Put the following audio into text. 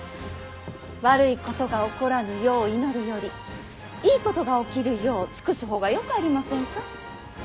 悪いことが起こらぬよう祈るよりいいことが起きるよう尽くす方がよくありませんか。